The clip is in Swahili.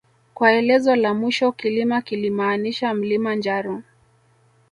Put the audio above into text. Kwa elezo la mwisho Kilima kilimaanisha mlima njaro